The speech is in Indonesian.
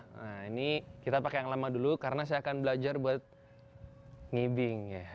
nah ini kita pakai yang lama dulu karena saya akan belajar buat ngibing ya